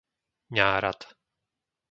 Ňárad